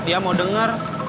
dia mau denger